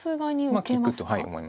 利くと思います。